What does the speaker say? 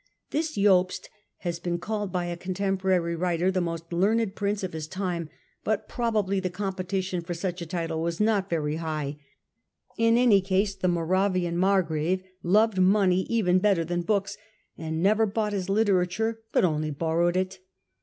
This Jobst has been called by a contemporary writer the most learned prince of his time, but probably the competition for such a title was not very high ; in any case the Moravian Margrave loved money even better than books, and never bought his literature, but only borrowed it.